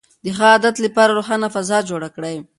د ښه عادت لپاره روښانه فضا جوړه کړئ.